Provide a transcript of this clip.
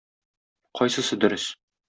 Кайсысы дөрес?